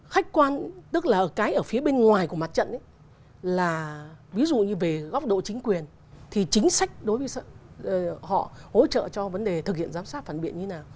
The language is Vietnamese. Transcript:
khách quan tức là ở cái ở phía bên ngoài của mặt trận là ví dụ như về góc độ chính quyền thì chính sách đối với họ hỗ trợ cho vấn đề thực hiện giám sát phản biện như thế nào